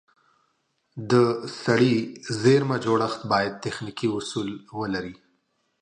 د سړې زېرمه جوړښت باید تخنیکي اصول ولري.